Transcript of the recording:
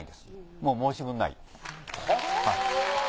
もう申し分ない。